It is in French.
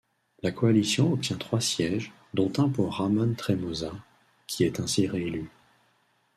La Coalition obtient trois sièges, dont un pour Ramon Tremosa, qui est ainsi réélu.